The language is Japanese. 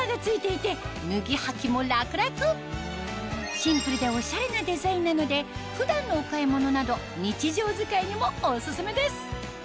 シンプルでおしゃれなデザインなので普段のお買い物など日常使いにもオススメです